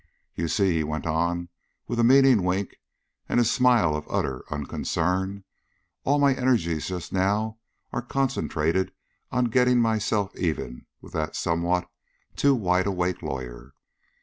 "You see," he went on, with a meaning wink and a smile of utter unconcern, "all my energies just now are concentrated on getting myself even with that somewhat too wide awake lawyer."